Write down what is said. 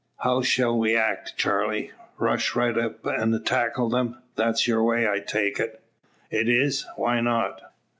How shell we act, Charley? Rush right up an' tackle 'em? That's your way, I take it." "It is why not?"